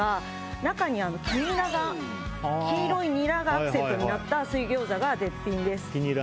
中に黄ニラが黄色いニラがアクセントになった水餃子が絶品です。